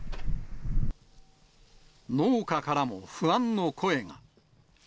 農家からも不安の声が。